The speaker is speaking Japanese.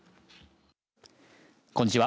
こんにちは。